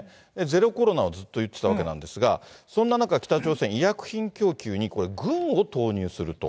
ゼロコロナをずっと言ってたわけなんですが、そんな中、北朝鮮、医薬品供給にこれ、軍を投入すると。